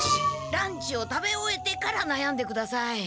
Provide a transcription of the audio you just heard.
ランチを食べ終えてからなやんでください。